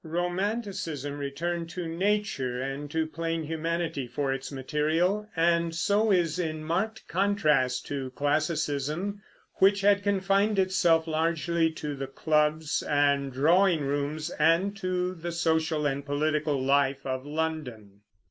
Romanticism returned to nature and to plain humanity for its material, and so is in marked contrast to Classicism, which had confined itself largely to the clubs and drawing rooms, and to the social and political life of London.